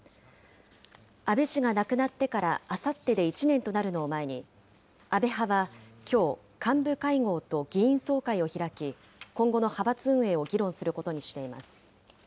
安倍氏が亡くなってからあさってで１年となるのを前に、安倍派はきょう、幹部会合と議員総会を開き、今後の派閥運営を議論することにしています。